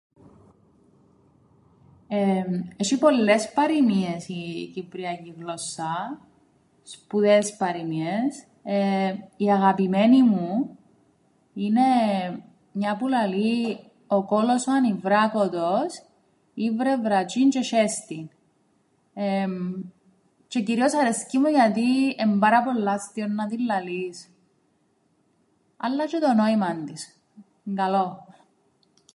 Εμ, έσ̆ει πολλές παροιμίες η κυπριακή γλώσσα, σπουδαίες παροιμίες, εεε, η αγαπημένη μου είναι μια που λαλεί «ο κώλος ο ανιβράκωτος ήβρεν βρατζ̌ίν τζ̌αι 'σ̆έστην» τζ̌αι κυρίως αρέσκει μου γιατί εν' πάρα πολλά αστείον να την λαλείς, αλλά τζ̌αι το νόημαν της εν' καλόν.